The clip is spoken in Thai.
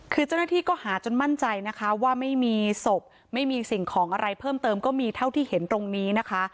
คือเจ้าหน้าที่ก็หาจนมั่นใจนะคะว่าไม่มีศพไม่มีสิ่งของอะไรเพิ่มเติมก็มีเท่าที่เห็นตรงนี้นะคะ